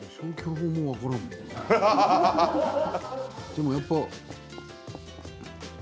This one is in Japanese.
でもやっぱ。